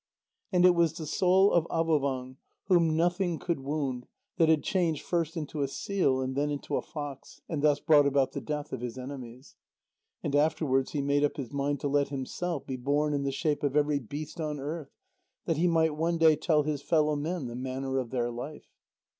And it was the soul of Avôvang, whom nothing could wound, that had changed, first into a seal and then into a fox, and thus brought about the death of his enemies. And afterwards he made up his mind to let himself be born in the shape of every beast on earth, that he might one day tell his fellow men the manner of their life.